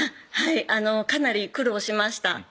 はいかなり苦労しました